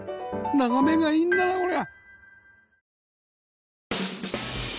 眺めがいいんだなこりゃ